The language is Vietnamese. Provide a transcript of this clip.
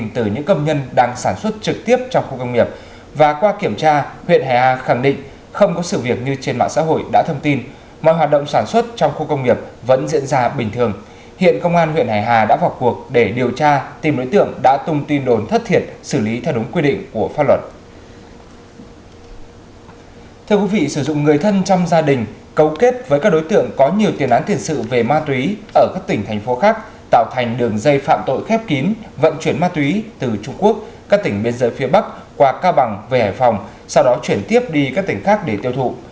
thưa quý vị sử dụng người thân trong gia đình cấu kết với các đối tượng có nhiều tiền án tiền sự về ma túy ở các tỉnh thành phố khác tạo thành đường dây phạm tội khép kín vận chuyển ma túy từ trung quốc các tỉnh biên giới phía bắc qua cao bằng về hải phòng sau đó chuyển tiếp đi các tỉnh khác để tiêu thụ